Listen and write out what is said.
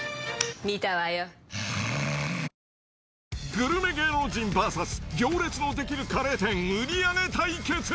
グルメ芸能人ＶＳ行列の出来るカレー店売り上げ対決。